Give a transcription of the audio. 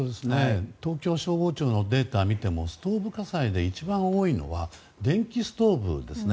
東京消防庁のデータを見てもストーブ火災で一番多いのが電気ストーブですね。